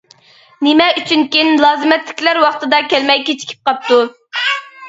نېمە ئۈچۈنكىن لازىمەتلىكلەر ۋاقتىدا كەلمەي كېچىكىپ قاپتۇ.